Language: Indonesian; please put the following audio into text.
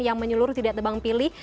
yang menyeluruh tidak tebang pilih